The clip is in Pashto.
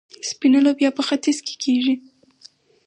سپینه لوبیا په ختیځ کې کیږي.